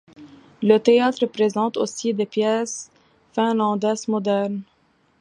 Le théâtre présente aussi des pièces finlandaises modernes.